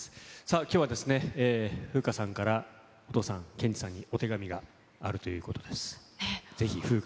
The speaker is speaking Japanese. きょうはですね、風花さんからお父さん、健司さんにお手紙があるということです。